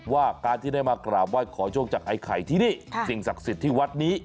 ว่าการที่ได้มากราบไห้ขอโชคจากไอ้ไข่ที่นี่สิ่งศักดิ์สิทธิ์ที่วัดนี้